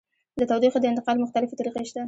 د تودوخې د انتقال مختلفې طریقې شته.